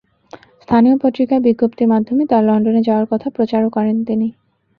স্থানীয় পত্রিকায় বিজ্ঞপ্তির মাধ্যমে তাঁর লন্ডনে যাওয়ার কথা প্রচারও করেন তিনি।